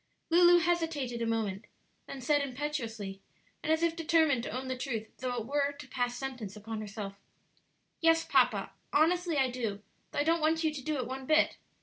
Lulu hesitated a moment, then said impetuously, and as if determined to own the truth though it were to pass sentence upon herself, "Yes, papa, honestly I do; though I don't want you to do it one bit.